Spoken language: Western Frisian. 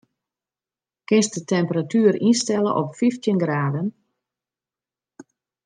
Kinst de temperatuer ynstelle op fyftjin graden?